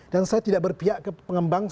dan saya tidak berpihak kepada orang kaya